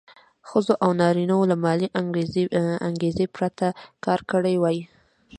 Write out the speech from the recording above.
ښځو او نارینه وو له مالي انګېزې پرته کار کړی وای.